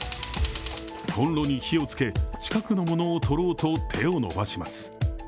コンロに火を着け、近くのものを取ろうと手を伸ばします。